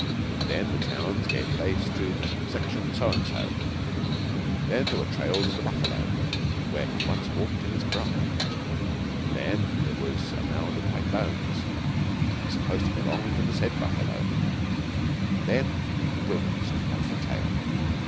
Then the towns gave place to 'section so and so'; then there were trails of the buffalo, where he once walked in his pride; then there was a mound of white bones, supposed to belong to the said buffalo, and then the wilderness took up the tale.